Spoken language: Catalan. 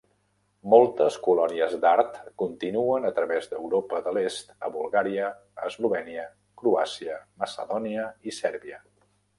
Moltes colònies d'art continuen a través d'Europa de l'est a Bulgària, Eslovènia, Croàcia, Macedònia i Sèrbia.